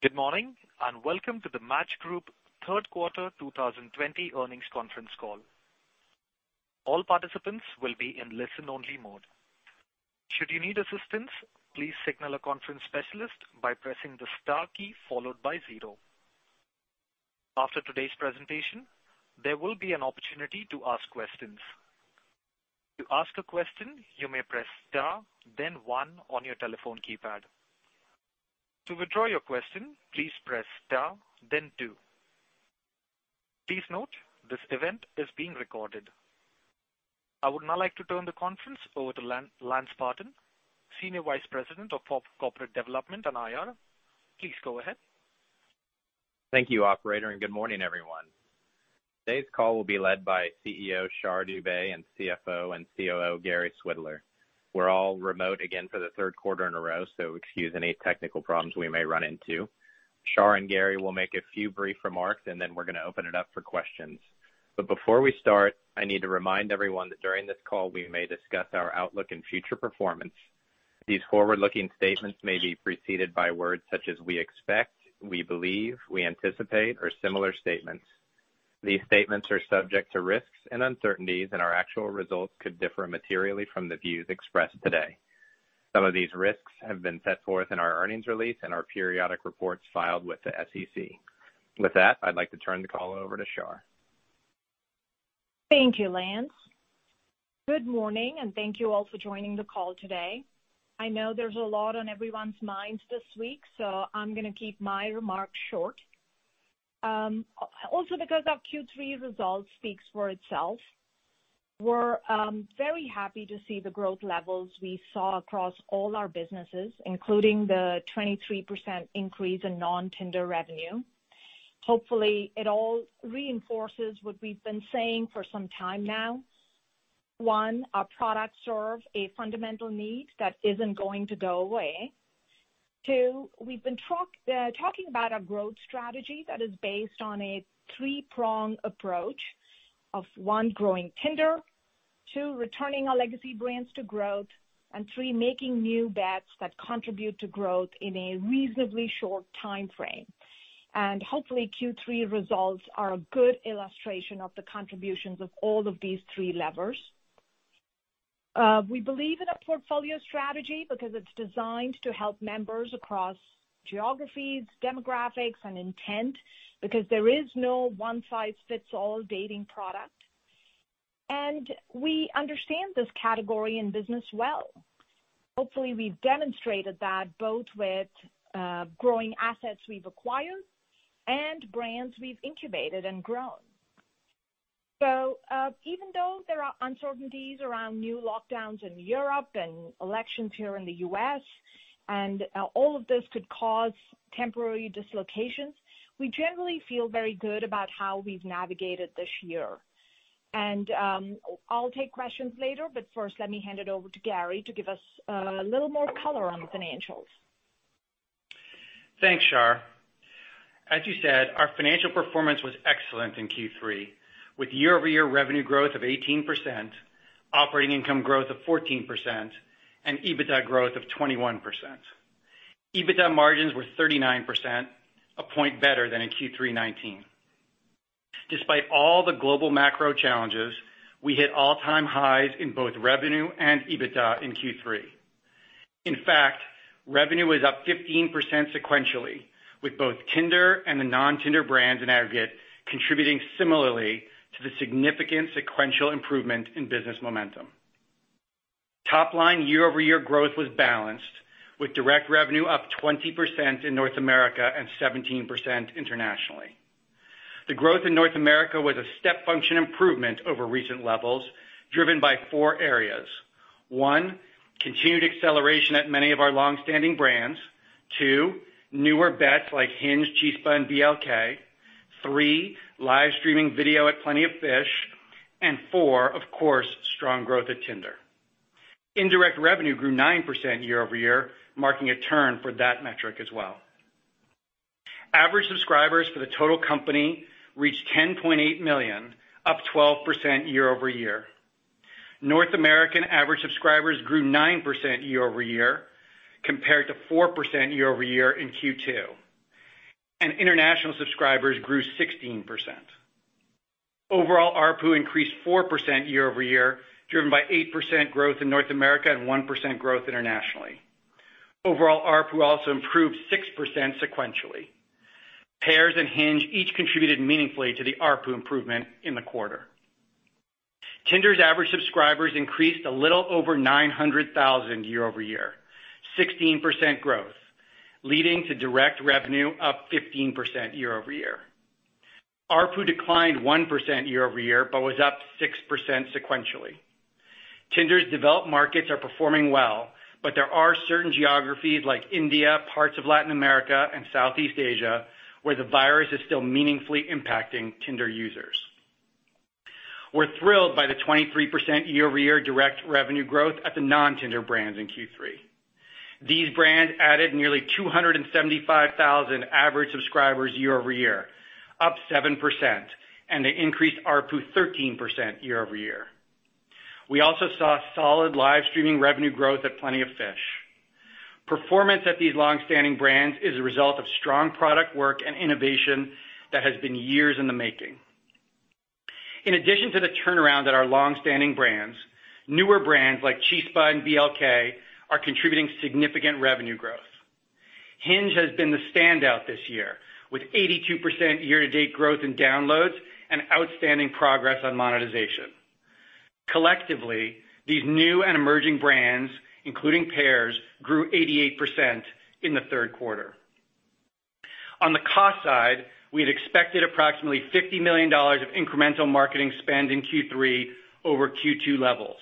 Good morning. Welcome to the Match Group Third Quarter 2020 Earnings Conference Call. All participants will be in listen-only mode. Should you need assistance, please signal the conference specialist by pressing the star key followed by zero. After today's presentation, there will be an opportunity to ask questions. To ask a question, you may press star then one on your telephone keypad. To withdraw your question, press star then two. Please note that this event is being recorded. I would now like to turn the conference over to Lance Barton, Senior Vice President of Corporate Development and IR. Please go ahead. Thank you, operator. Good morning, everyone. Today's call will be led by CEO Shar Dubey and CFO and COO Gary Swidler. We're all remote again for the third quarter in a row, so excuse any technical problems we may run into. Shar and Gary will make a few brief remarks, and then we're going to open it up for questions. Before we start, I need to remind everyone that during this call, we may discuss our outlook and future performance. These forward-looking statements may be preceded by words such as "we expect," "we believe," "we anticipate," or similar statements. These statements are subject to risks and uncertainties, and our actual results could differ materially from the views expressed today. Some of these risks have been set forth in our earnings release and our periodic reports filed with the SEC. With that, I'd like to turn the call over to Shar. Thank you, Lance. Good morning, and thank you all for joining the call today. I know there's a lot on everyone's minds this week, so I'm going to keep my remarks short. Because our Q3 results speaks for itself. We're very happy to see the growth levels we saw across all our businesses, including the 23% increase in non-Tinder revenue. Hopefully, it all reinforces what we've been saying for some time now. One, our products serve a fundamental need that isn't going to go away. Two, we've been talking about a growth strategy that is based on a three-prong approach of, one, growing Tinder, two, returning our legacy brands to growth, three, making new bets that contribute to growth in a reasonably short timeframe. Hopefully, Q3 results are a good illustration of the contributions of all of these three levers. We believe in a portfolio strategy because it's designed to help members across geographies, demographics, and intent, because there is no one-size-fits-all dating product. We understand this category and business well. Hopefully, we've demonstrated that both with growing assets we've acquired and brands we've incubated and grown. Even though there are uncertainties around new lockdowns in Europe and elections here in the U.S., and all of this could cause temporary dislocations, we generally feel very good about how we've navigated this year. I'll take questions later, but first, let me hand it over to Gary to give us a little more color on the financials. Thanks, Shar. As you said, our financial performance was excellent in Q3, with year-over-year revenue growth of 18%, operating income growth of 14%, and EBITDA growth of 21%. EBITDA margins were 39%, a point better than in Q3 2019. Despite all the global macro challenges, we hit all-time highs in both revenue and EBITDA in Q3. In fact, revenue is up 15% sequentially, with both Tinder and the non-Tinder brands in aggregate contributing similarly to the significant sequential improvement in business momentum. Top line year-over-year growth was balanced, with direct revenue up 20% in North America and 17% internationally. The growth in North America was a step function improvement over recent levels, driven by four areas. One, continued acceleration at many of our long-standing brands. Two, newer bets like Hinge, Chispa, and BLK. Three, live streaming video at Plenty of Fish. Four, of course, strong growth at Tinder. Indirect revenue grew 9% year-over-year, marking a turn for that metric as well. Average subscribers for the total company reached 10.8 million, up 12% year-over-year. North American average subscribers grew 9% year-over-year, compared to 4% year-over-year in Q2. International subscribers grew 16%. Overall ARPU increased 4% year-over-year, driven by 8% growth in North America and 1% growth internationally. Overall ARPU also improved 6% sequentially. Pairs and Hinge each contributed meaningfully to the ARPU improvement in the quarter. Tinder's average subscribers increased a little over 900,000 year-over-year, 16% growth, leading to direct revenue up 15% year-over-year. ARPU declined 1% year-over-year but was up 6% sequentially. Tinder's developed markets are performing well, but there are certain geographies like India, parts of Latin America, and Southeast Asia, where the virus is still meaningfully impacting Tinder users. We're thrilled by the 23% year-over-year direct revenue growth at the non-Tinder brands in Q3. These brands added nearly 275,000 average subscribers year-over-year, up 7%, and they increased ARPU 13% year-over-year. We also saw solid live streaming revenue growth at Plenty of Fish. Performance at these longstanding brands is a result of strong product work and innovation that has been years in the making. In addition to the turnaround at our longstanding brands, newer brands like Chispa and BLK are contributing significant revenue growth. Hinge has been the standout this year, with 82% year-to-date growth in downloads and outstanding progress on monetization. Collectively, these new and emerging brands, including Pairs, grew 88% in the third quarter. On the cost side, we had expected approximately $50 million of incremental marketing spend in Q3 over Q2 levels.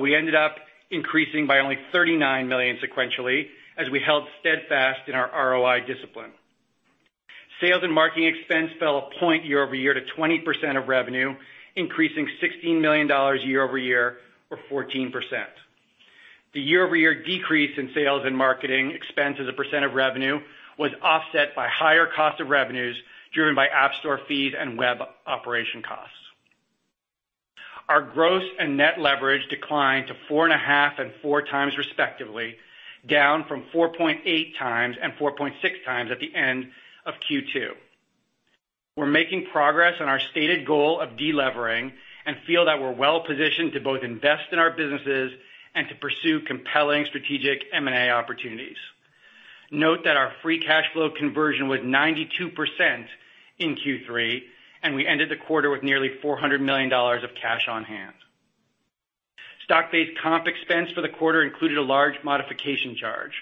We ended up increasing by only $39 million sequentially as we held steadfast in our ROI discipline. Sales and marketing expense fell a point year-over-year to 20% of revenue, increasing $16 million year-over-year, or 14%. The year-over-year decrease in sales and marketing expense as a percent of revenue was offset by higher cost of revenues, driven by App Store fees and web operation costs. Our gross and net leverage declined to 4.5 and 4 times respectively, down from 4.8 times and 4.6 times at the end of Q2. We're making progress on our stated goal of delevering and feel that we're well-positioned to both invest in our businesses and to pursue compelling strategic M&A opportunities. Note that our free cash flow conversion was 92% in Q3, and we ended the quarter with nearly $400 million of cash on hand. Stock-based comp expense for the quarter included a large modification charge.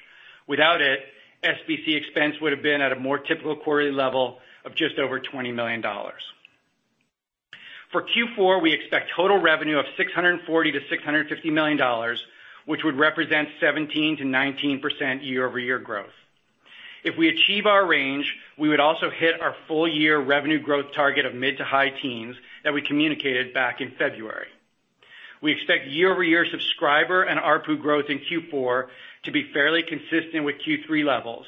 Without it, SBC expense would have been at a more typical quarterly level of just over $20 million. For Q4, we expect total revenue of $640 million-$650 million, which would represent 17%-19% year-over-year growth. If we achieve our range, we would also hit our full year revenue growth target of mid to high teens that we communicated back in February. We expect year-over-year subscriber and ARPU growth in Q4 to be fairly consistent with Q3 levels,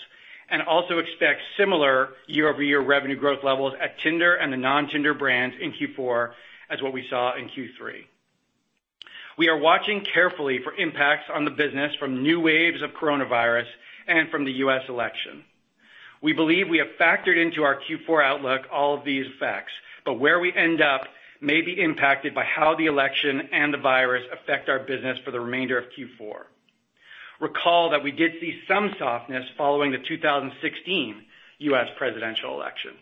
and also expect similar year-over-year revenue growth levels at Tinder and the non-Tinder brands in Q4 as what we saw in Q3. We are watching carefully for impacts on the business from new waves of coronavirus and from the U.S. election. We believe we have factored into our Q4 outlook all of these facts, but where we end up may be impacted by how the election and the virus affect our business for the remainder of Q4. Recall that we did see some softness following the 2016 U.S. presidential election.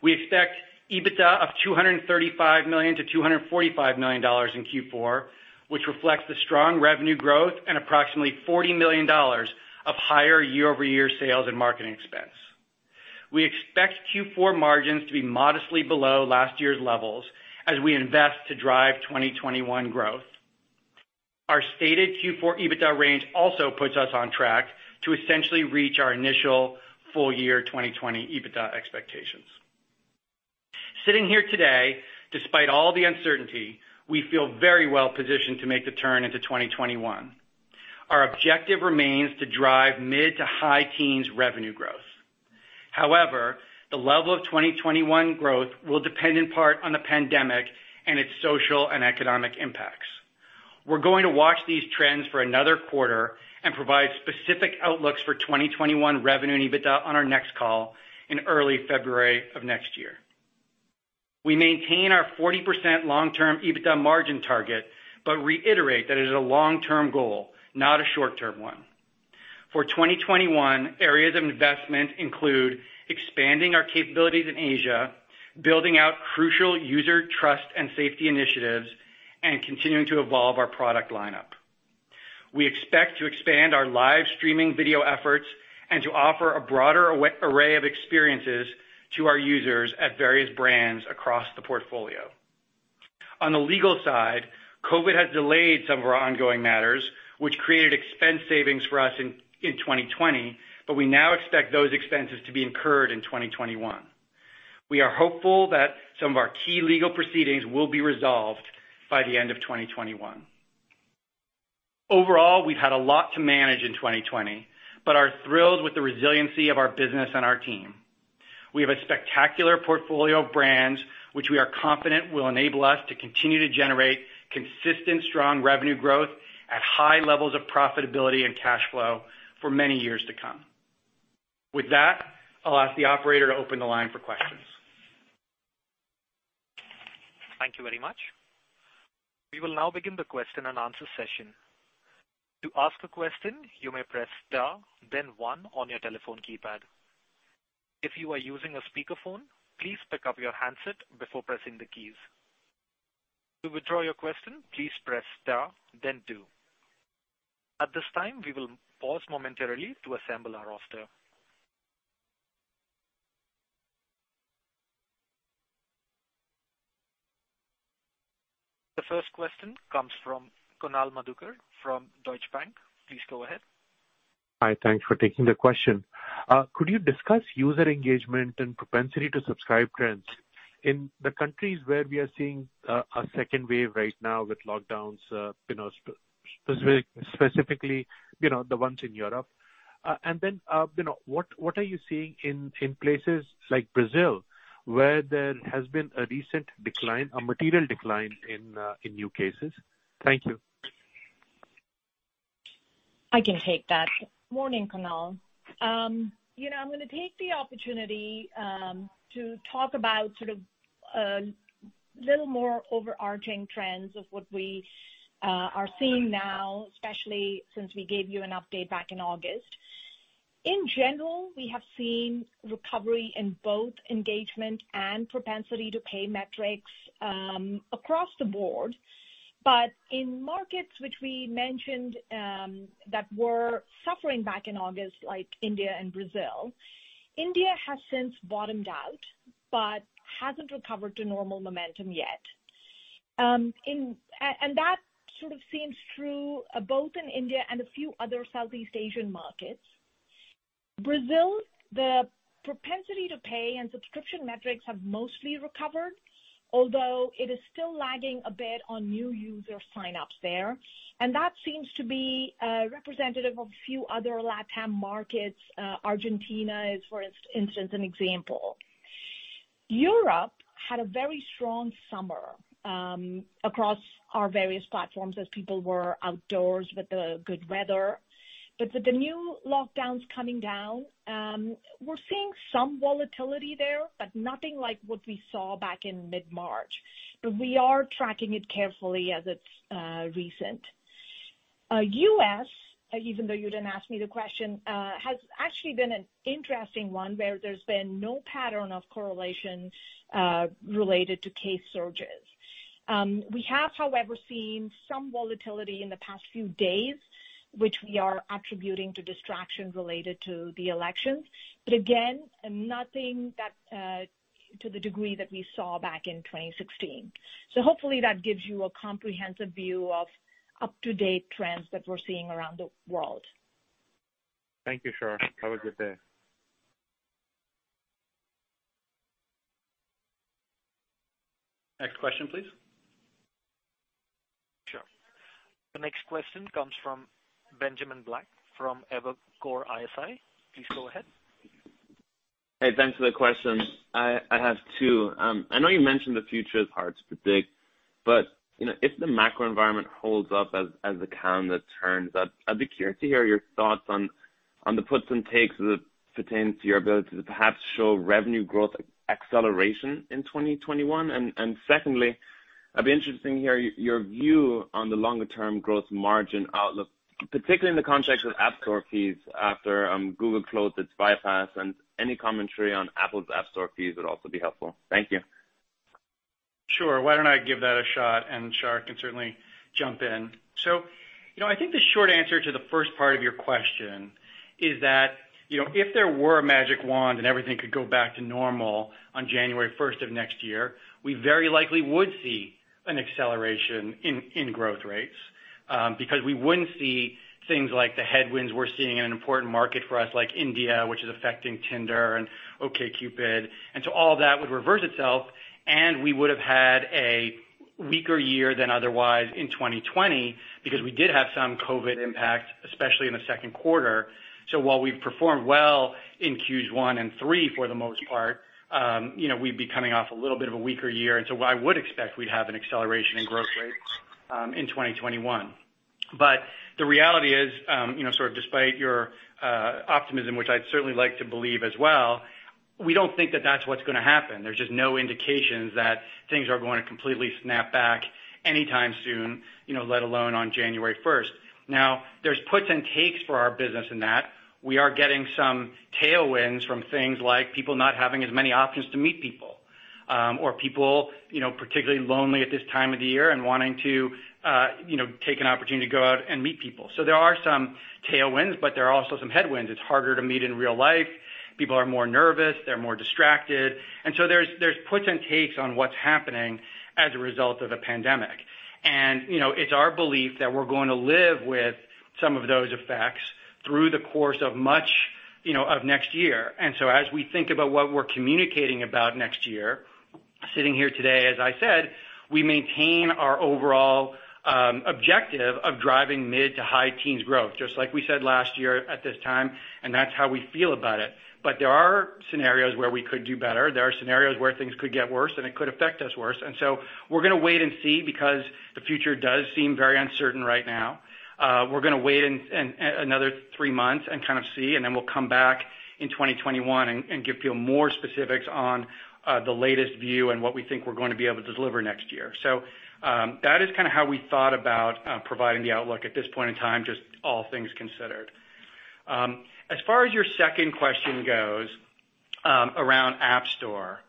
We expect EBITDA of $235 million-$245 million in Q4, which reflects the strong revenue growth and approximately $40 million of higher year-over-year sales and marketing expense. We expect Q4 margins to be modestly below last year's levels as we invest to drive 2021 growth. Our stated Q4 EBITDA range also puts us on track to essentially reach our initial full year 2020 EBITDA expectations. Sitting here today, despite all the uncertainty, we feel very well positioned to make the turn into 2021. Our objective remains to drive mid to high teens revenue growth. However, the level of 2021 growth will depend in part on the pandemic and its social and economic impacts. We're going to watch these trends for another quarter and provide specific outlooks for 2021 revenue and EBITDA on our next call in early February of next year. We maintain our 40% long-term EBITDA margin target, but reiterate that it is a long-term goal, not a short-term one. For 2021, areas of investment include expanding our capabilities in Asia, building out crucial user trust and safety initiatives, and continuing to evolve our product lineup. We expect to expand our live streaming video efforts and to offer a broader array of experiences to our users at various brands across the portfolio. On the legal side, COVID has delayed some of our ongoing matters, which created expense savings for us in 2020, but we now expect those expenses to be incurred in 2021. We are hopeful that some of our key legal proceedings will be resolved by the end of 2021. Overall, we've had a lot to manage in 2020 but are thrilled with the resiliency of our business and our team. We have a spectacular portfolio of brands, which we are confident will enable us to continue to generate consistent, strong revenue growth at high levels of profitability and cash flow for many years to come. With that, I'll ask the operator to open the line for questions. Thank you very much. We will now begin the question and answer session. To ask a question, you may press star then one on your telephone keypad. If you are using a speaker phone, please pick up your handset before pressing the keys. To withdraw your question, press star then two. At this time we will pause momentarily to assemble our roster. The first question comes from Kunal Madhukar from Deutsche Bank. Please go ahead. Hi. Thanks for taking the question. Could you discuss user engagement and propensity to subscribe trends in the countries where we are seeing a second wave right now with lockdowns, specifically the ones in Europe? What are you seeing in places like Brazil, where there has been a recent material decline in new cases? Thank you. I can take that. Morning, Kunal. I'm going to take the opportunity to talk about sort of little more overarching trends of what we are seeing now, especially since we gave you an update back in August. In general, we have seen recovery in both engagement and propensity to pay metrics across the board. In markets which we mentioned that were suffering back in August, like India and Brazil, India has since bottomed out, but hasn't recovered to normal momentum yet. That sort of seems true both in India and a few other Southeast Asian markets. Brazil, the propensity to pay and subscription metrics have mostly recovered, although it is still lagging a bit on new user signups there. That seems to be representative of a few other Latin markets. Argentina is, for instance, an example. Europe had a very strong summer across our various platforms as people were outdoors with the good weather. With the new lockdowns coming down, we're seeing some volatility there, but nothing like what we saw back in mid-March. We are tracking it carefully as it's recent. U.S., even though you didn't ask me the question, has actually been an interesting one where there's been no pattern of correlation related to case surges. We have, however, seen some volatility in the past few days, which we are attributing to distraction related to the elections. Again, nothing to the degree that we saw back in 2016. Hopefully that gives you a comprehensive view of up-to-date trends that we're seeing around the world. Thank you, Shar. Have a good day. Next question, please. Sure. The next question comes from Benjamin Black from Evercore ISI. Please go ahead. Hey, thanks for the question. I have two. I know you mentioned the future is hard to predict, but if the macro environment holds up as the calendar turns, I'd be curious to hear your thoughts on the puts and takes as it pertains to your ability to perhaps show revenue growth acceleration in 2021. Secondly, I'd be interested to hear your view on the longer-term growth margin outlook, particularly in the context of App Store fees after Google closed its bypass, and any commentary on Apple's App Store fees would also be helpful. Thank you. Sure. Why don't I give that a shot, and Shar can certainly jump in. I think the short answer to the first part of your question is that if there were a magic wand and everything could go back to normal on January 1st of next year, we very likely would see an acceleration in growth rates because we wouldn't see things like the headwinds we're seeing in an important market for us like India, which is affecting Tinder and OkCupid. All that would reverse itself, and we would have had a weaker year than otherwise in 2020 because we did have some COVID impacts, especially in the second quarter. While we've performed well in Q1 and Q3 for the most part, we'd be coming off a little bit of a weaker year. I would expect we'd have an acceleration in growth rate in 2021. The reality is despite your optimism, which I'd certainly like to believe as well, we don't think that that's what's going to happen. There's just no indications that things are going to completely snap back anytime soon, let alone on January 1st. There's puts and takes for our business in that we are getting some tailwinds from things like people not having as many options to meet people or people particularly lonely at this time of the year and wanting to take an opportunity to go out and meet people. There are some tailwinds, but there are also some headwinds. It's harder to meet in real life. People are more nervous. They're more distracted. There's puts and takes on what's happening as a result of the pandemic. It's our belief that we're going to live with some of those effects through the course of much of next year. As we think about what we're communicating about next year, sitting here today, as I said, we maintain our overall objective of driving mid to high teens growth. Just like we said last year at this time, and that's how we feel about it. There are scenarios where we could do better. There are scenarios where things could get worse, and it could affect us worse. We're going to wait and see because the future does seem very uncertain right now. We're going to wait another three months and kind of see, and then we'll come back in 2021 and give people more specifics on the latest view and what we think we're going to be able to deliver next year. That is kind of how we thought about providing the outlook at this point in time, just all things considered. As far as your second question goes around App Store,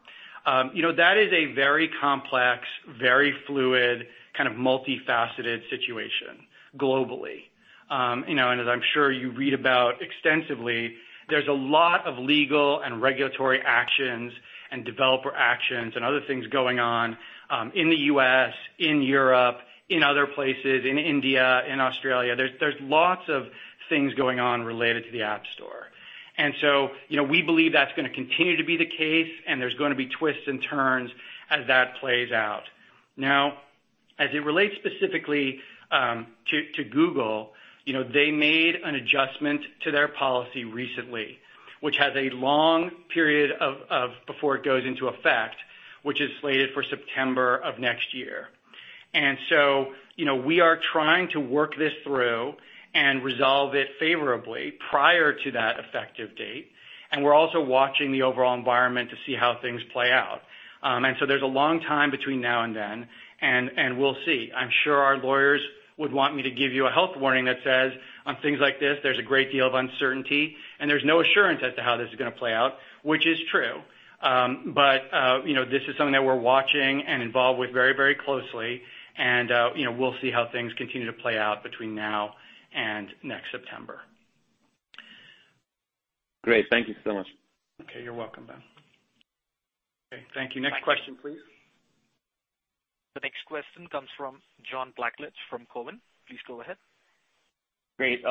that is a very complex, very fluid, kind of multifaceted situation globally. As I'm sure you read about extensively, there's a lot of legal and regulatory actions and developer actions and other things going on in the U.S., in Europe, in other places, in India, in Australia. There's lots of things going on related to the App Store. We believe that's going to continue to be the case, and there's going to be twists and turns as that plays out. Now, as it relates specifically to Google, they made an adjustment to their policy recently, which has a long period before it goes into effect, which is slated for September of next year. We are trying to work this through and resolve it favorably prior to that effective date, and we're also watching the overall environment to see how things play out. There's a long time between now and then, and we'll see. I'm sure our lawyers would want me to give you a health warning that says on things like this, there's a great deal of uncertainty, and there's no assurance as to how this is going to play out, which is true. This is something that we're watching and involved with very closely, and we'll see how things continue to play out between now and next September. Great. Thank you so much. Okay. You're welcome, Ben. Okay. Thank you. Next question, please. The next question comes from John Blackledge from Cowen. Please go ahead. Great.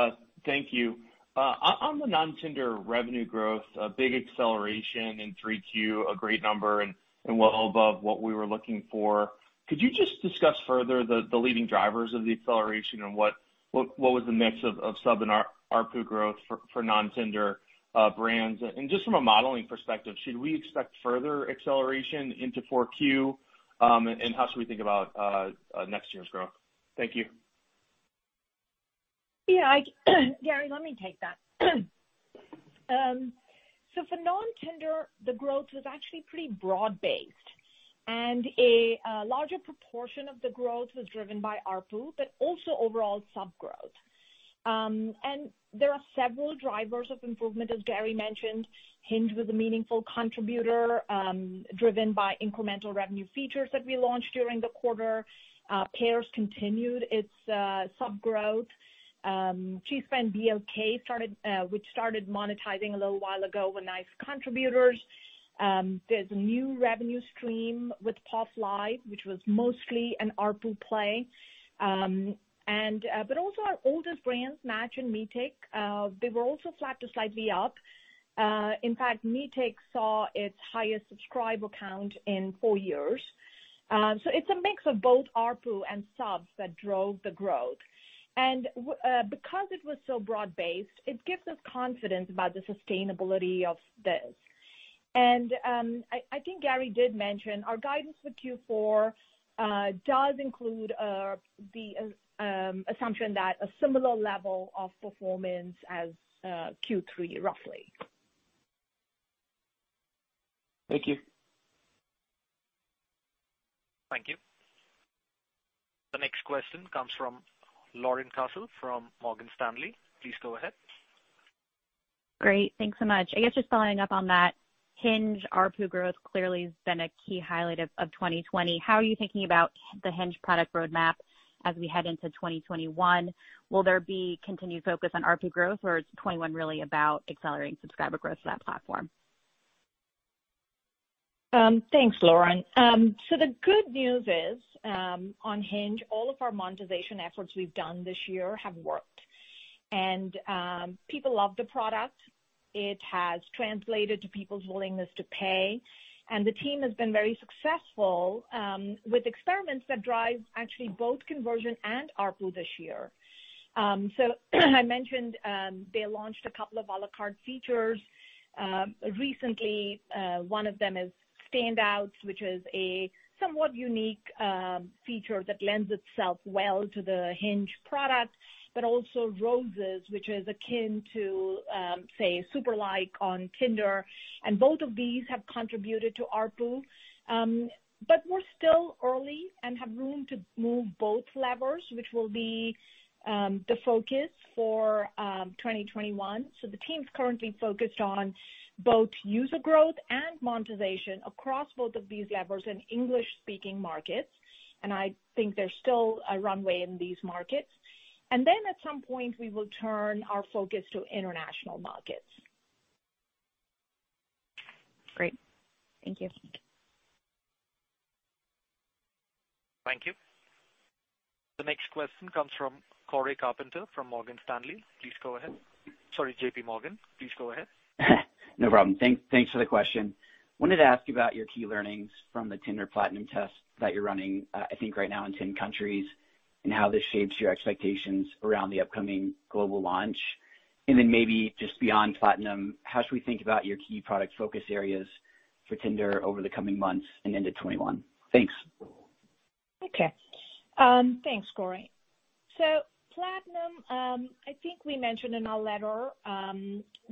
Thank you. On the non-Tinder revenue growth, a big acceleration in Q3, a great number and well above what we were looking for. Could you just discuss further the leading drivers of the acceleration and what was the mix of sub and ARPU growth for non-Tinder brands? Just from a modeling perspective, should we expect further acceleration into Q4? How should we think about next year's growth? Thank you. Yeah. Gary, let me take that. For non-Tinder, the growth was actually pretty broad-based, and a larger proportion of the growth was driven by ARPU, but also overall sub growth. There are several drivers of improvement, as Gary mentioned. Hinge was a meaningful contributor, driven by incremental revenue features that we launched during the quarter. Pairs continued its sub growth. Chispa and BLK, which started monetizing a little while ago, were nice contributors. There's a new revenue stream with POF Live, which was mostly an ARPU play. Also our oldest brands, Match and Meetic, they were also flat to slightly up. In fact, Meetic saw its highest subscriber count in four years. It's a mix of both ARPU and subs that drove the growth. Because it was so broad-based, it gives us confidence about the sustainability of this. I think Gary did mention our guidance for Q4 does include the assumption that a similar level of performance as Q3, roughly. Thank you. Thank you. The next question comes from Lauren Cassel from Morgan Stanley. Please go ahead. Great. Thanks so much. I guess just following up on that, Hinge ARPU growth clearly has been a key highlight of 2020. How are you thinking about the Hinge product roadmap as we head into 2021? Will there be continued focus on ARPU growth, or is 2021 really about accelerating subscriber growth for that platform? Thanks, Lauren. The good news is, on Hinge, all of our monetization efforts we've done this year have worked. People love the product. It has translated to people's willingness to pay, and the team has been very successful with experiments that drive actually both conversion and ARPU this year. I mentioned they launched a couple of à la carte features recently. One of them is Standouts, which is a somewhat unique feature that lends itself well to the Hinge product. Also Roses, which is akin to, say, Super Like on Tinder, and both of these have contributed to ARPU. We're still early and have room to move both levers, which will be the focus for 2021. The team's currently focused on both user growth and monetization across both of these levers in English-speaking markets, and I think there's still a runway in these markets. At some point, we will turn our focus to international markets. Great. Thank you. Thank you. Thank you. The next question comes from Cory Carpenter from Morgan Stanley. Please go ahead. Sorry, JPMorgan. Please go ahead. No problem. Thanks for the question. Wanted to ask you about your key learnings from the Tinder Platinum test that you're running, I think right now in 10 countries, and how this shapes your expectations around the upcoming global launch. Then maybe just beyond Platinum, how should we think about your key product focus areas for Tinder over the coming months and into 2021? Thanks. Okay. Thanks, Cory. Platinum, I think we mentioned in our letter,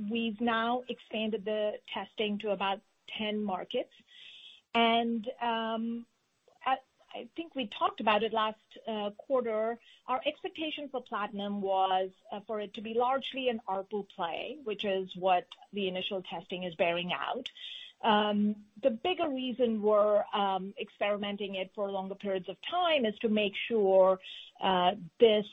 we've now expanded the testing to about 10 markets. I think we talked about it last quarter, our expectation for Platinum was for it to be largely an ARPU play, which is what the initial testing is bearing out. The bigger reason we're experimenting it for longer periods of time is to make sure this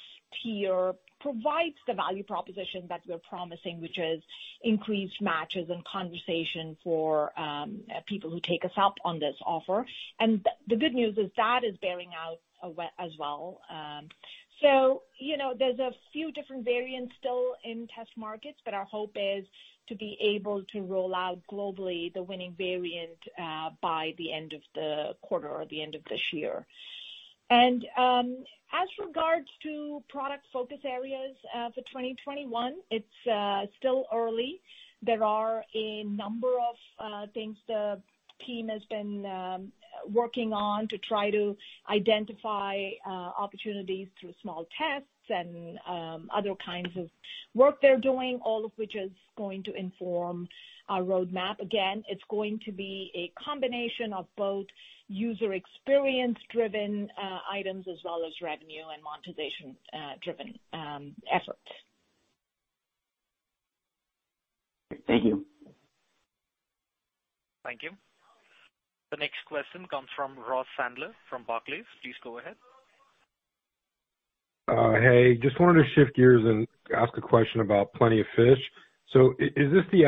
tier provides the value proposition that we're promising, which is increased matches and conversation for people who take us up on this offer. The good news is that is bearing out as well. There's a few different variants still in test markets, but our hope is to be able to roll out globally the winning variant by the end of the quarter or the end of this year. As regards to product focus areas for 2021, it's still early. There are a number of things the team has been working on to try to identify opportunities through small tests and other kinds of work they're doing, all of which is going to inform our roadmap. It's going to be a combination of both user experience driven items as well as revenue and monetization driven efforts. Thank you. Thank you. The next question comes from Ross Sandler from Barclays. Please go ahead. Hey, just wanted to shift gears and ask a question about Plenty of Fish. Is this the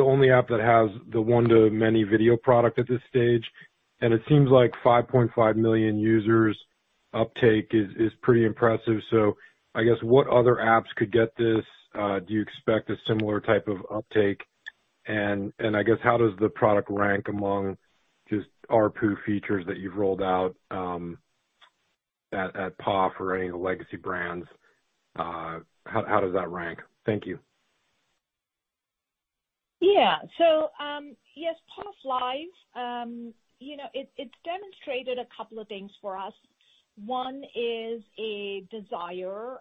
only app that has the one to many video product at this stage? It seems like 5.5 million users uptake is pretty impressive. I guess what other apps could get this? Do you expect a similar type of uptake? I guess how does the product rank among just ARPU features that you've rolled out at POF or any of the legacy brands? How does that rank? Thank you. Yes, POF Live it's demonstrated a couple of things for us. One is a desire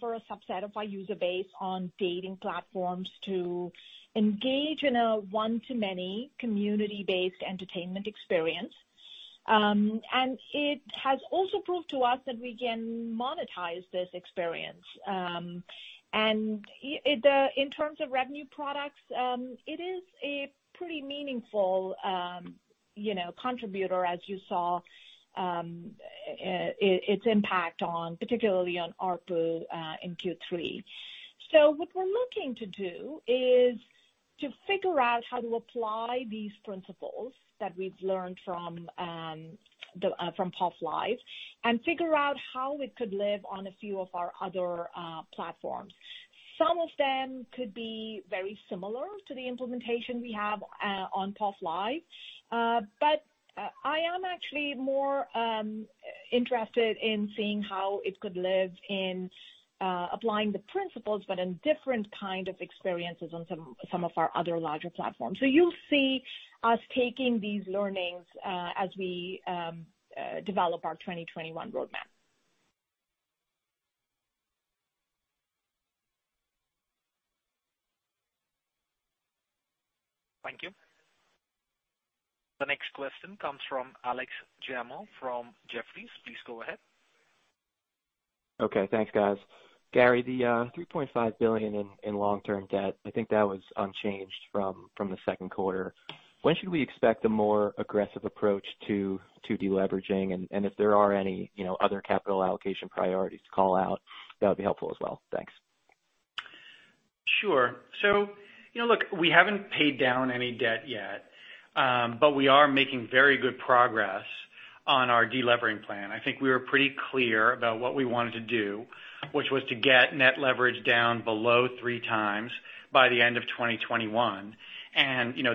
for a subset of our user base on dating platforms to engage in a one-to-many community-based entertainment experience. It has also proved to us that we can monetize this experience. In terms of revenue products, it is a pretty meaningful contributor as you saw its impact on particularly on ARPU in Q3. What we're looking to do is to figure out how to apply these principles that we've learned from POF Live and figure out how it could live on a few of our other platforms. Some of them could be very similar to the implementation we have on POF Live. I am actually more interested in seeing how it could live in applying the principles, but in different kind of experiences on some of our other larger platforms. You'll see us taking these learnings, as we develop our 2021 roadmap. Thank you. The next question comes from Alex Giaimo from Jefferies. Please go ahead. Okay, thanks guys. Gary, the $3.5 billion in long-term debt, I think that was unchanged from the second quarter. When should we expect a more aggressive approach to deleveraging? If there are any other capital allocation priorities to call out, that would be helpful as well. Thanks. Sure. Look, we haven't paid down any debt yet. But we are making very good progress on our delevering plan. I think we were pretty clear about what we wanted to do, which was to get net leverage down below 3 times by the end of 2021.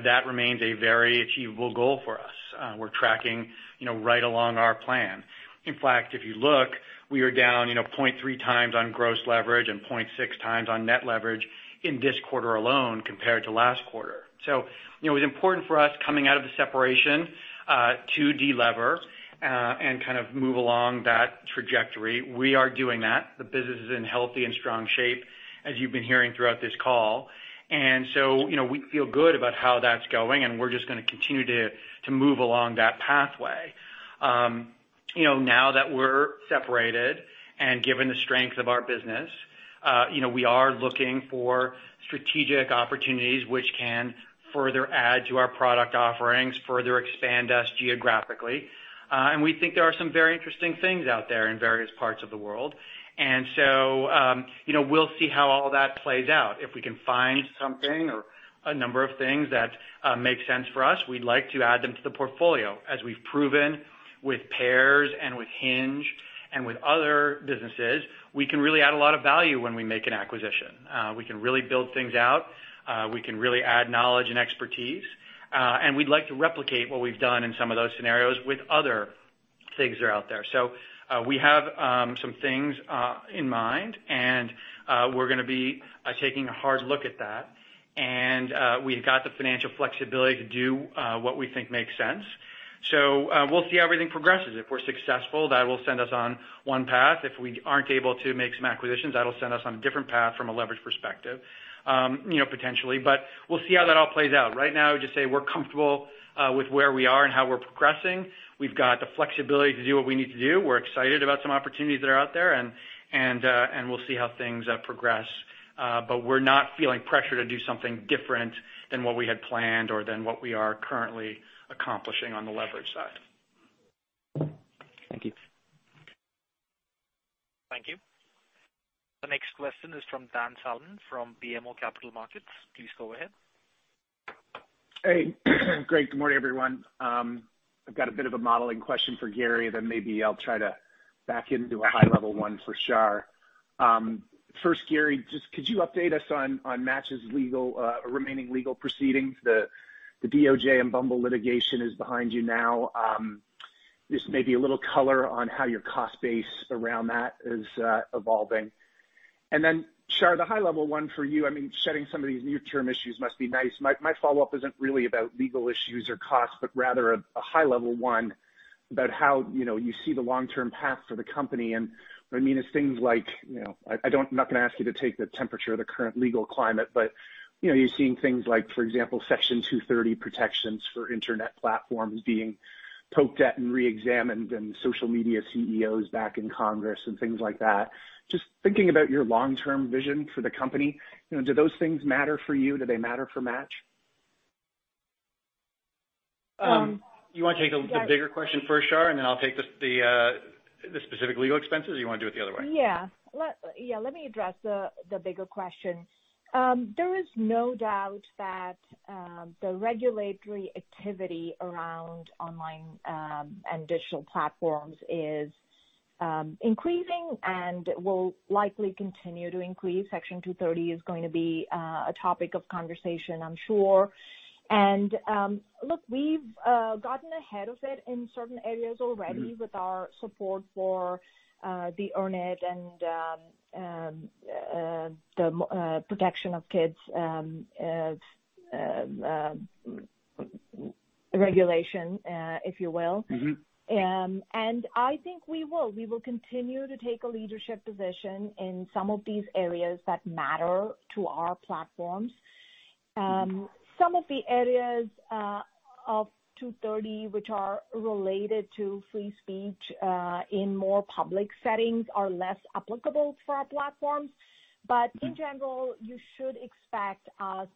That remains a very achievable goal for us. We're tracking right along our plan. In fact, if you look, we are down 0.3 times on gross leverage and 0.6 times on net leverage in this quarter alone compared to last quarter. It was important for us coming out of the separation, to delever, and kind of move along that trajectory. We are doing that. The business is in healthy and strong shape, as you've been hearing throughout this call. We feel good about how that's going, and we're just gonna continue to move along that pathway. Now that we're separated and given the strength of our business, we are looking for strategic opportunities which can further add to our product offerings, further expand us geographically. We think there are some very interesting things out there in various parts of the world. We'll see how all that plays out. If we can find something or a number of things that make sense for us, we'd like to add them to the portfolio. As we've proven with Pairs and with Hinge and with other businesses, we can really add a lot of value when we make an acquisition. We can really build things out. We can really add knowledge and expertise. We'd like to replicate what we've done in some of those scenarios with other things that are out there. We have some things in mind, and we're going to be taking a hard look at that. We've got the financial flexibility to do what we think makes sense. We'll see how everything progresses. If we're successful, that will send us on one path. If we aren't able to make some acquisitions, that'll send us on a different path from a leverage perspective, potentially. We'll see how that all plays out. Right now, I would just say we're comfortable with where we are and how we're progressing. We've got the flexibility to do what we need to do. We're excited about some opportunities that are out there and we'll see how things progress. We're not feeling pressure to do something different than what we had planned or than what we are currently accomplishing on the leverage side. Thank you. Thank you. The next question is from Dan Salmon from BMO Capital Markets. Please go ahead. Hey. Great. Good morning, everyone. I've got a bit of a modeling question for Gary, then maybe I'll try to back into a high-level one for Shar. First, Gary, just could you update us on Match's remaining legal proceedings? The DOJ and Bumble litigation is behind you now. Just maybe a little color on how your cost base around that is evolving. Then Shar, the high-level one for you, shedding some of these near-term issues must be nice. My follow-up isn't really about legal issues or costs, but rather a high-level one about how you see the long-term path for the company. What I mean is things like, I'm not going to ask you to take the temperature of the current legal climate, but you're seeing things like, for example, Section 230 protections for Internet platforms being poked at and re-examined and social media CEOs back in Congress and things like that. Just thinking about your long-term vision for the company, do those things matter for you? Do they matter for Match? You want to take the bigger question first, Shar, and then I'll take the specific legal expenses, or you want to do it the other way? Yeah. Let me address the bigger question. There is no doubt that the regulatory activity around online and digital platforms is increasing and will likely continue to increase. Section 230 is going to be a topic of conversation, I'm sure. Look, we've gotten ahead of it in certain areas already with our support for the EARN IT and the protection of kids' regulation, if you will. I think we will. We will continue to take a leadership position in some of these areas that matter to our platforms. Some of the areas of 230, which are related to free speech in more public settings are less applicable for our platforms. In general, you should expect us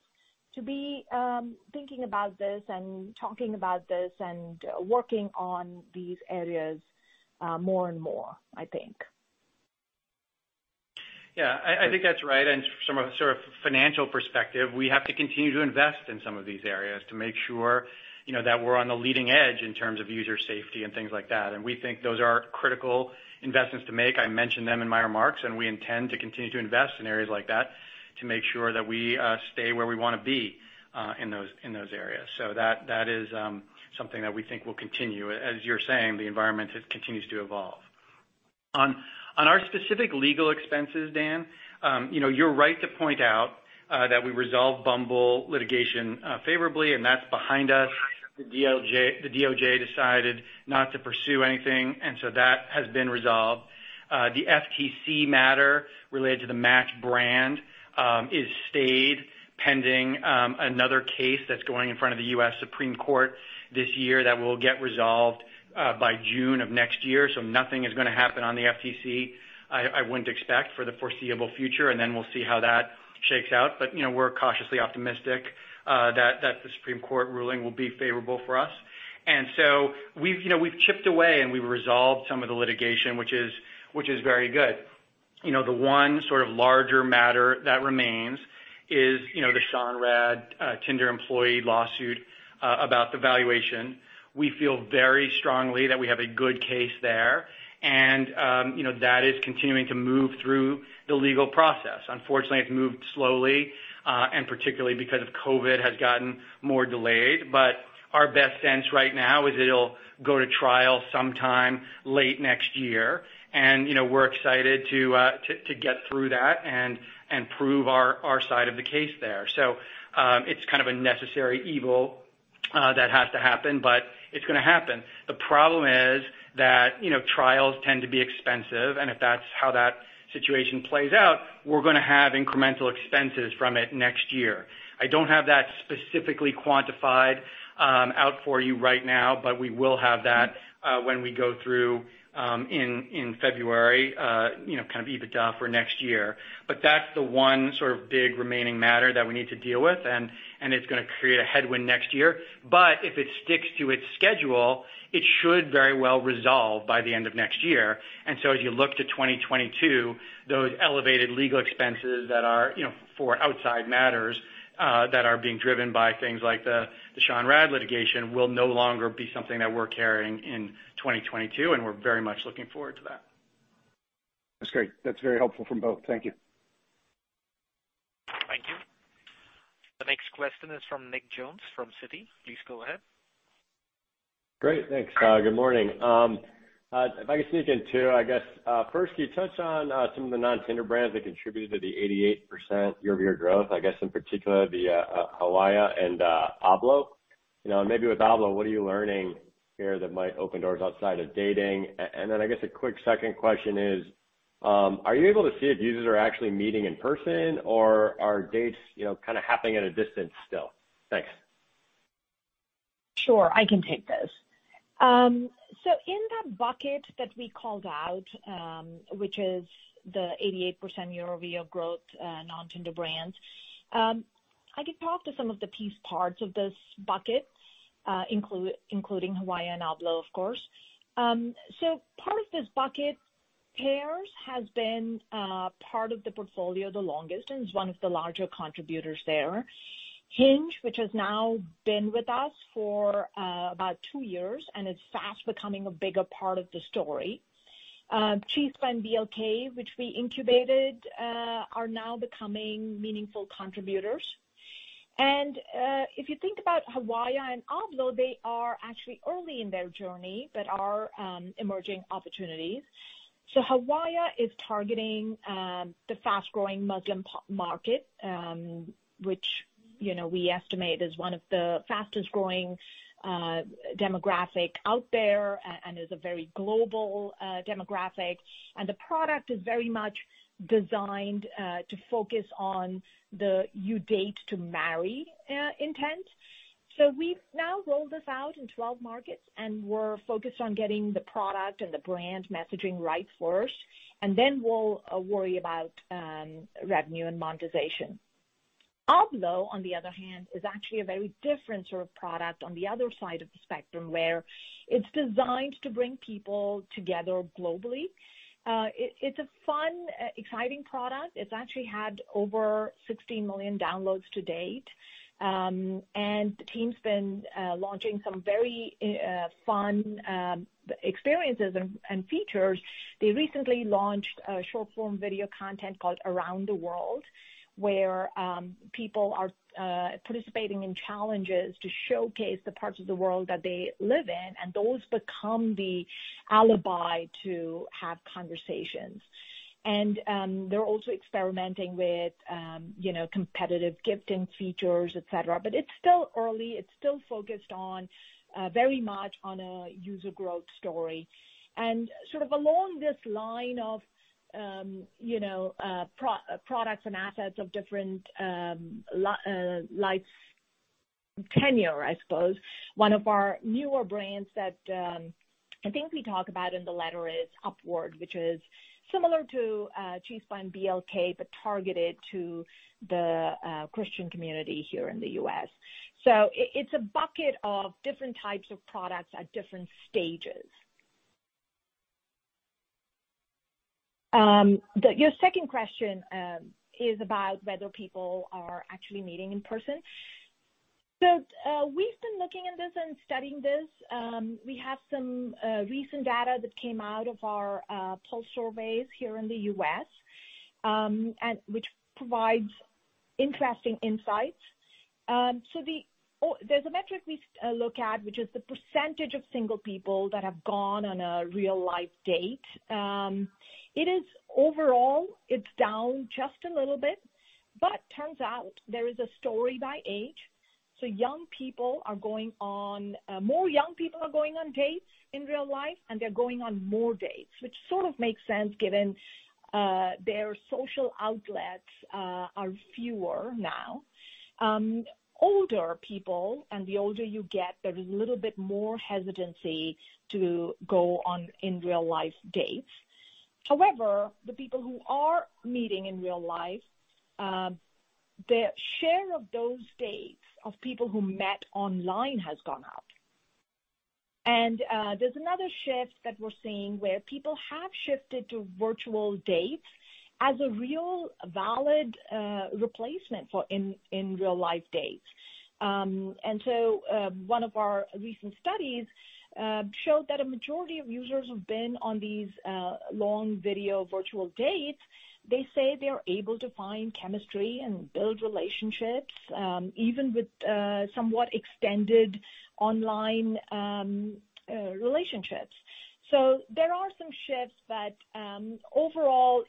to be thinking about this and talking about this and working on these areas more and more, I think. Yeah, I think that's right. From a sort of financial perspective, we have to continue to invest in some of these areas to make sure that we're on the leading edge in terms of user safety and things like that. We think those are critical investments to make. I mentioned them in my remarks. We intend to continue to invest in areas like that to make sure that we stay where we want to be in those areas. That is something that we think will continue. As you're saying, the environment continues to evolve. On our specific legal expenses, Dan, you're right to point out that we resolved Bumble litigation favorably. That's behind us. The DOJ decided not to pursue anything. That has been resolved. The FTC matter related to the Match brand is stayed pending another case that's going in front of the U.S. Supreme Court this year that will get resolved by June of next year. Nothing is going to happen on the FTC, I wouldn't expect, for the foreseeable future, and then we'll see how that shakes out. We're cautiously optimistic that the Supreme Court ruling will be favorable for us. We've chipped away, and we've resolved some of the litigation, which is very good. The one sort of larger matter that remains is the Sean Rad Tinder employee lawsuit about the valuation. We feel very strongly that we have a good case there and that is continuing to move through the legal process. Unfortunately, it's moved slowly and particularly because of COVID has gotten more delayed, but our best sense right now is it'll go to trial sometime late next year. We're excited to get through that and prove our side of the case there. It's kind of a necessary evil that has to happen, but it's going to happen. The problem is that trials tend to be expensive, and if that's how that situation plays out, we're going to have incremental expenses from it next year. I don't have that specifically quantified out for you right now, but we will have that when we go through in February, kind of EBITDA for next year. That's the one sort of big remaining matter that we need to deal with, and it's going to create a headwind next year. If it sticks to its schedule, it should very well resolve by the end of next year. As you look to 2022, those elevated legal expenses that are for outside matters, that are being driven by things like the Sean Rad litigation will no longer be something that we're carrying in 2022, and we're very much looking forward to that. That's great. That's very helpful from both. Thank you. Thank you. The next question is from Nick Jones from Citi. Please go ahead. Great. Thanks. Good morning. If I can sneak in two, I guess. First, can you touch on some of the non-Tinder brands that contributed to the 88% year-over-year growth, I guess in particular the Hawaya and Ablo. Maybe with Ablo, what are you learning here that might open doors outside of dating? I guess a quick second question is, are you able to see if users are actually meeting in person or are dates kind of happening at a distance still? Thanks. Sure. I can take this. In that bucket that we called out, which is the 88% year-over-year growth non-Tinder brands, I could talk to some of the piece parts of those buckets including Hawaya and Ablo, of course. Part of this bucket, Pairs has been part of the portfolio the longest and is one of the larger contributors there. Hinge, which has now been with us for about two years and is fast becoming a bigger part of the story. Chispa and BLK, which we incubated, are now becoming meaningful contributors. If you think about Hawaya and Ablo, they are actually early in their journey, but are emerging opportunities. Hawaya is targeting the fast-growing Muslim market, which we estimate is one of the fastest-growing demographic out there and is a very global demographic. The product is very much designed to focus on the you date to marry intent. We've now rolled this out in 12 markets, and we're focused on getting the product and the brand messaging right first, and then we'll worry about revenue and monetization. Ablo, on the other hand, is actually a very different sort of product on the other side of the spectrum, where it's designed to bring people together globally. It's a fun, exciting product. It's actually had over 16 million downloads to date. The team's been launching some very fun experiences and features. They recently launched a short-form video content called Around the World, where people are participating in challenges to showcase the parts of the world that they live in, and those become the alibi to have conversations. They're also experimenting with competitive gifting features, et cetera. It's still early. It's still focused very much on a user growth story. Sort of along this line of products and assets of different life's tenure, I suppose, one of our newer brands that I think we talk about in the letter is Upward, which is similar to Chispa and BLK, but targeted to the Christian community here in the U.S. It's a bucket of different types of products at different stages. Your second question is about whether people are actually meeting in person. We've been looking at this and studying this. We have some recent data that came out of our pulse surveys here in the U.S., which provides interesting insights. There's a metric we look at, which is the percentage of single people that have gone on a real-life date. Overall, it's down just a little bit, but turns out there is a story by age. More young people are going on dates in real life, and they're going on more dates, which sort of makes sense given their social outlets are fewer now. Older people, and the older you get, there is a little bit more hesitancy to go on in real-life dates. However, the people who are meeting in real life, the share of those dates of people who met online has gone up. There's another shift that we're seeing where people have shifted to virtual dates as a real valid replacement for in real-life dates. One of our recent studies showed that a majority of users who've been on these long video virtual dates, they say they are able to find chemistry and build relationships, even with somewhat extended online relationships. There are some shifts, but overall,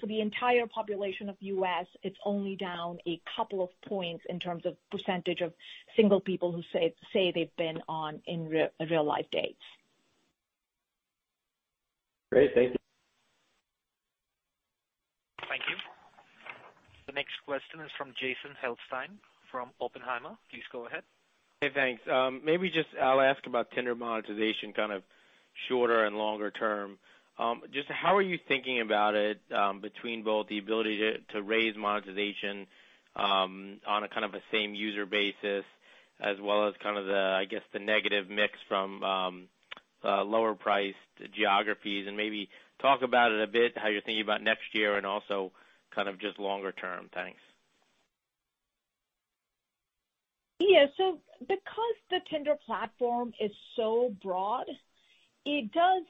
for the entire population of U.S., it's only down a couple of points in terms of percentage of single people who say they've been on real-life dates. Great. Thank you. Thank you. The next question is from Jason Helfstein from Oppenheimer. Please go ahead. Hey, thanks. Maybe I'll ask about Tinder monetization, kind of shorter and longer term. Just how are you thinking about it between both the ability to raise monetization on a kind of a same user basis as well as I guess the negative mix from lower priced geographies, and maybe talk about it a bit, how you're thinking about next year and also kind of just longer term. Thanks. Yeah. Because the Tinder platform is so broad, it does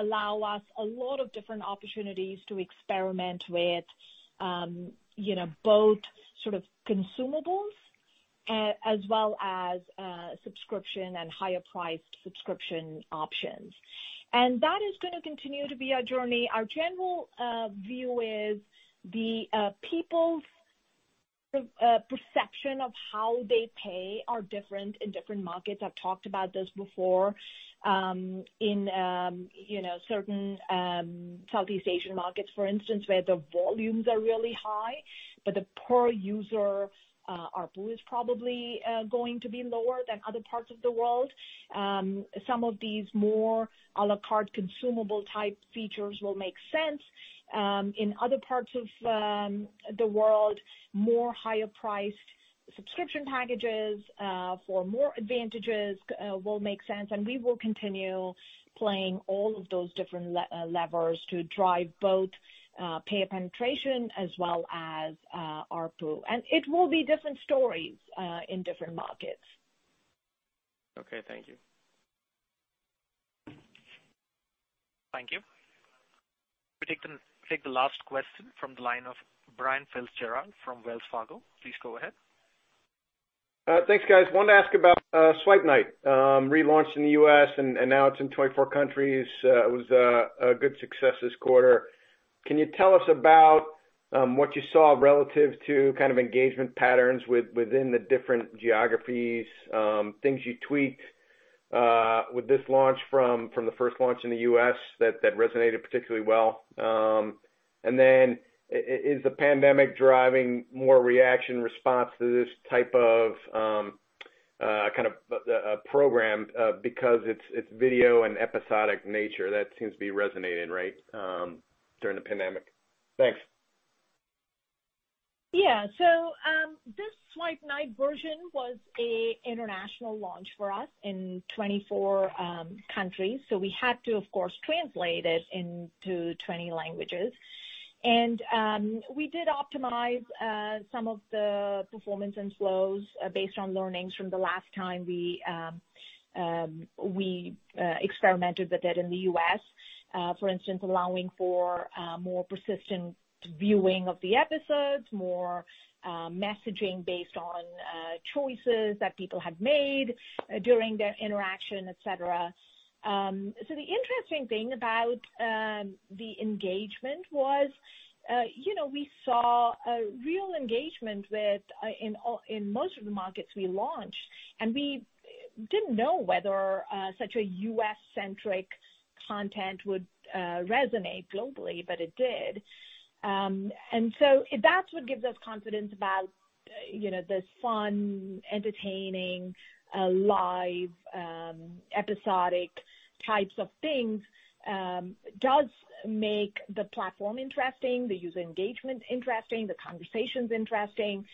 allow us a lot of different opportunities to experiment with both sort of consumables as well as subscription and higher priced subscription options. That is going to continue to be our journey. Our general view is the perception of how they pay are different in different markets. I've talked about this before. In certain Southeast Asian markets, for instance, where the volumes are really high, but the per user ARPU is probably going to be lower than other parts of the world. Some of these more a la carte consumable type features will make sense. In other parts of the world, more higher priced subscription packages for more advantages will make sense. We will continue playing all of those different levers to drive both pay penetration as well as ARPU. It will be different stories in different markets. Okay. Thank you. Thank you. We'll take the last question from the line of Brian Fitzgerald from Wells Fargo. Please go ahead. Thanks, guys. I wanted to ask about Swipe Night relaunch in the U.S., and now it's in 24 countries. It was a good success this quarter. Can you tell us about what you saw relative to kind of engagement patterns within the different geographies, things you tweaked with this launch from the first launch in the U.S. that resonated particularly well? Is the pandemic driving more reaction, response to this type of program because it's video and episodic nature? That seems to be resonating, right, during the pandemic. Thanks. Yeah. This Swipe Night version was a international launch for us in 24 countries. We had to, of course, translate it into 20 languages. We did optimize some of the performance and flows based on learnings from the last time we experimented with it in the U.S. For instance, allowing for more persistent viewing of the episodes, more messaging based on choices that people had made during their interaction, et cetera. The interesting thing about the engagement was we saw a real engagement in most of the markets we launched, we didn't know whether such a U.S.-centric content would resonate globally, but it did. That's what gives us confidence about the fun, entertaining, live, episodic types of things does make the platform interesting, the user engagement interesting, the conversations interesting.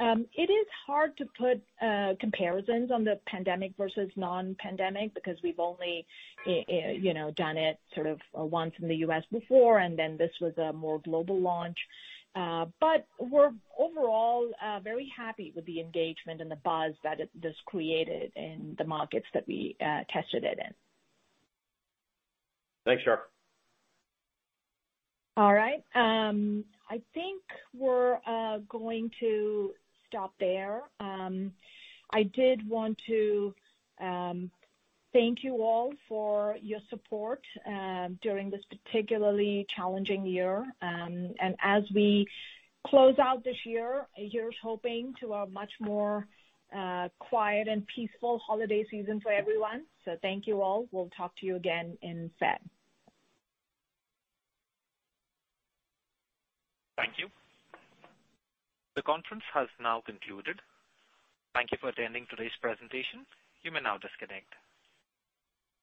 It is hard to put comparisons on the pandemic versus non-pandemic because we've only done it sort of once in the U.S. before, and then this was a more global launch. We're overall very happy with the engagement and the buzz that it has created in the markets that we tested it in. Thanks, Shar. All right. I think we're going to stop there. I did want to thank you all for your support during this particularly challenging year. As we close out this year, here's hoping to a much more quiet and peaceful holiday season for everyone. Thank you all. We'll talk to you again in Feb. Thank you. The conference has now concluded. Thank you for attending today's presentation. You may now disconnect.